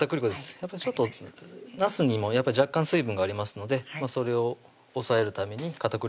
やっぱりちょっとなすにも若干水分がありますのでそれを抑えるために片栗粉少し入れます